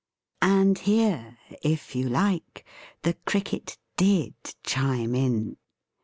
And here, if you like, the Cricket DID chime in!